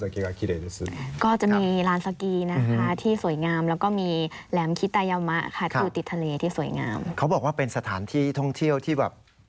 เขาบอกว่าเป็นสถานที่ท่องเที่ยวที่แบบ